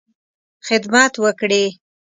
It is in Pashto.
خدمت وکړې.